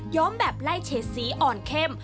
แบบไล่เฉดสีอ่อนเข้ม